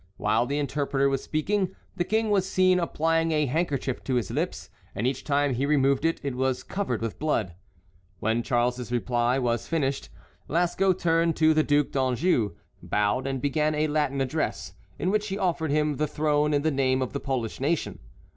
While the interpreter was speaking, the King was seen applying a handkerchief to his lips, and each time he removed it, it was covered with blood. When Charles's reply was finished, Lasco turned to the Duc d'Anjou, bowed, and began a Latin address, in which he offered him the throne in the name of the Polish nation.